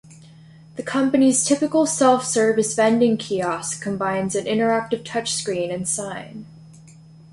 The company's typical self-service vending kiosk combines an interactive touch screen and sign.